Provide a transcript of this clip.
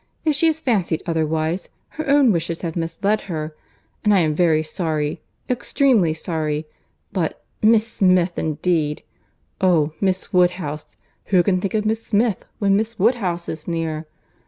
If she has fancied otherwise, her own wishes have misled her, and I am very sorry—extremely sorry—But, Miss Smith, indeed!—Oh! Miss Woodhouse! who can think of Miss Smith, when Miss Woodhouse is near!